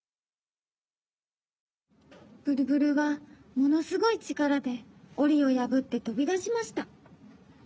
ブルブルはものすごいちからでおりをやぶってとびだしました。